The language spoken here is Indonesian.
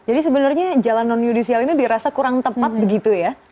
jadi sebenarnya jalan non judisial ini dirasa kurang tepat begitu ya